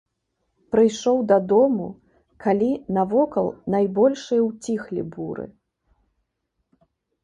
Прыйшоў дадому, калі навокал найбольшыя ўціхлі буры.